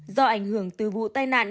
do ảnh hưởng từ vụ tai nạn